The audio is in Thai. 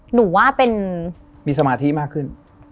หนูว่าเป็นมีสมาธิมากขึ้น